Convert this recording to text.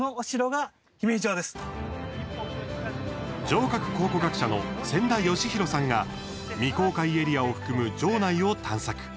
城郭考古学者の千田嘉博さんが未公開エリアを含む城内を探索。